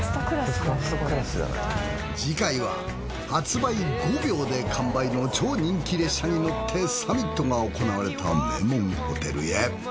次回は発売５秒で完売の超人気列車に乗ってサミットが行われた名門ホテルへ。